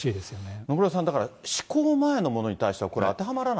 野村さん、だから施行前のものに対しては、当てはまらない？